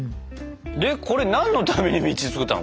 でこれ何のために道作ったの？